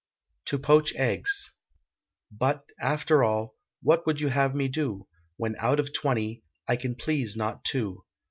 TO POACH EGGS. But, after all, what would you have me do, When, out of twenty, I can please not two?